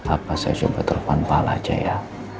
apa saya coba telfon pak alan aja ya